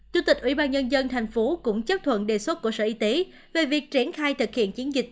chủ tịch ủy ban nhân dân thành phố cũng chấp thuận đề xuất của sở y tế về việc triển khai thực hiện chiến dịch